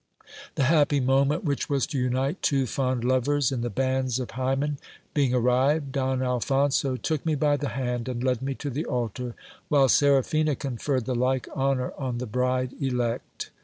The happy moment which was to unite two fond lovers in the bands of Hy men being arrived, Don Alphonso took me by the hand and led me to the altar, while Seraphina conferred the like honour on the bride elect.